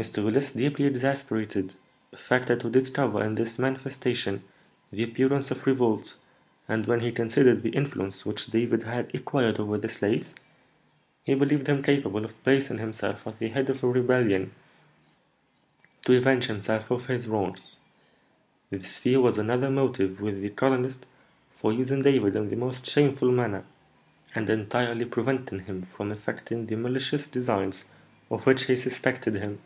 Mr. Willis, deeply exasperated, affected to discover in this manifestation the appearance of revolt, and, when he considered the influence which David had acquired over the slaves, he believed him capable of placing himself at the head of a rebellion to avenge himself of his wrongs. This fear was another motive with the colonist for using David in the most shameful manner, and entirely preventing him from effecting the malicious designs of which he suspected him."